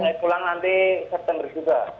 kalau mau pulang nanti september juga